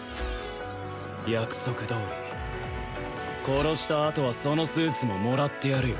約束どおり殺したあとはそのスーツももらってやるよ